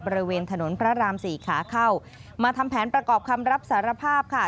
บริเวณถนนพระรามสี่ขาเข้ามาทำแผนประกอบคำรับสารภาพค่ะ